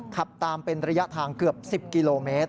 ขับตามเป็นระยะทางเกือบ๑๐กิโลเมตร